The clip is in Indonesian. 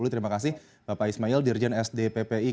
terima kasih bapak ismail dirjen sdppi kementerian pertahanan